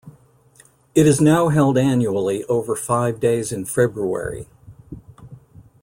It is now held annually over five days in February.